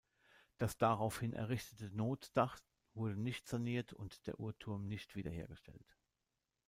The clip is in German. Das daraufhin errichtete Notdach wurde nicht saniert und der Uhrturm nicht wiederhergestellt.